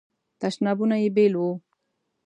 تشنابونه یې بیل وو.